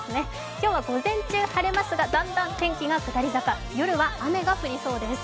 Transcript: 今日は午前中晴れますがだんだん天気が下り坂、夜は雨が降りそうです。